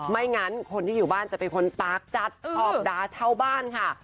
ไม่งั้นคนที่อยู่บ้านจะเป็นคนปากจัดชอบดาเช่าบ้านค่ะ